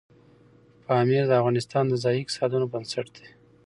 پامیر د افغانستان د ځایي اقتصادونو بنسټ دی.